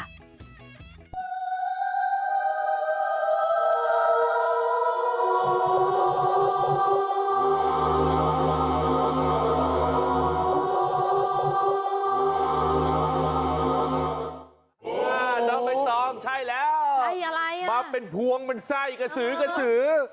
น้องใบตองใช่แล้วใช่อะไรอ่ะมาเป็นพวงมันไส้กระสือกระสือ